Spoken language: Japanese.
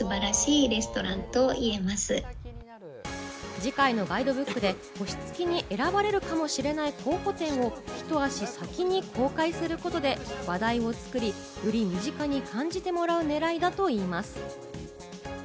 次回のガイドブックで星付きに選ばれるかもしれない候補店をひと足先に公開することで話題を作り、より身近に感じてもらうねらいだといいます。